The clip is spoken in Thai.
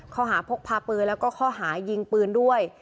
ข้อหาพกพาปืนแล้วก็ข้อหายิงปืนด้วย